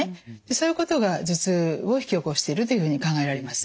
そういうことが頭痛を引き起こしているというふうに考えられます。